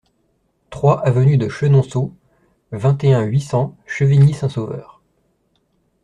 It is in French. trois avenue de Chenonceaux, vingt et un, huit cents, Chevigny-Saint-Sauveur